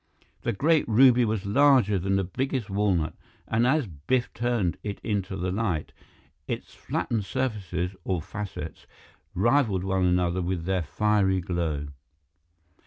The great ruby was larger than the biggest walnut, and as Biff turned it in the light, its flattened surfaces, or facets, rivaled one another with their fiery glow.